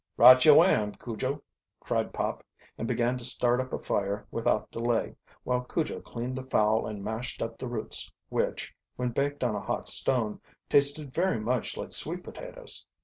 "Right yo' am, Cujo!" cried Pop, and began to start up a fire without delay, while Cujo cleaned the fowl and mashed up the roots, which, when baked on a hot stone, tasted very much like sweet potatoes.